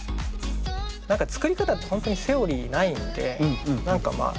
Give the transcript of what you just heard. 何か作り方って本当にセオリーないんで何かまあ